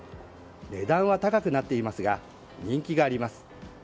値段は高くなっていますが人気があります。